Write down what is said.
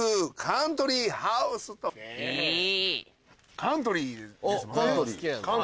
カントリーですもんね。